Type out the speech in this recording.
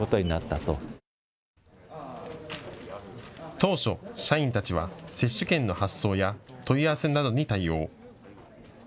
当初、社員たちは接種券の発送や問い合わせなどに対応。